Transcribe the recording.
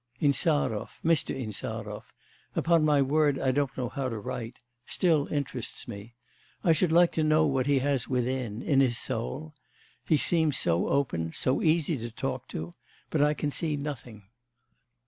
'... Insarov, Mr. Insarov upon my word I don't know how to write still interests me, I should like to know what he has within, in his soul? He seems so open, so easy to talk to, but I can see nothing.